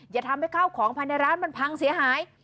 อย่าทำให้ข้าวของภายในร้านมันพังเสียหาย